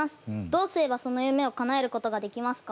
どうすればその夢をかなえることができますか？